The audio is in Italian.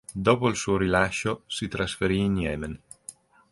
Dopo il suo rilascio si trasferì in Yemen.